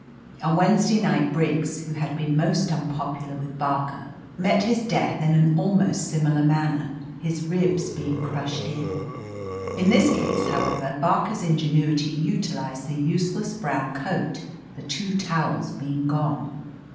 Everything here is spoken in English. "On Wednesday night, Briggs, who had been most unpopular with Barker, met his death in an almost similar manner, his ribs being crushed in. In this case, however. Barker's ingenuity utilized the useless brown coat, the two towels being gone.